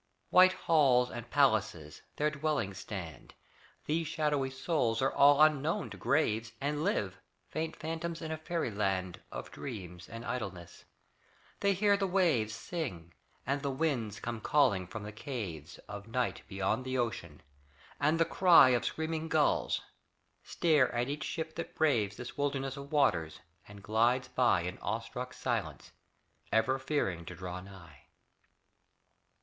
White halls and palaces their dwellings stand; These shadowy souls are all unknown to graves And live, faint phantoms in a fairy land Of dreams and idleness. They hear the waves Sing, and the winds come calling from the caves Of night beyond the ocean, and the cry Of screaming gulls; stare at each ship that braves This wilderness of waters, and glides by In awe struck silence, ever fearing to draw nigh.